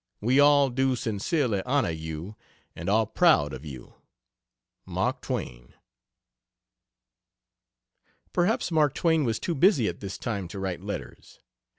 We all do sincerely honor you, and are proud of you. MARK TWAIN. Perhaps Mark Twain was too busy at this time to write letters.